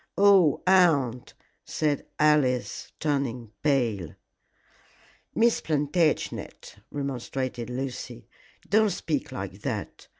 "Oh, aunt!" said Alice, turning pale. "Miss Plantagenet," remonstrated Lucy, "don't speak like that.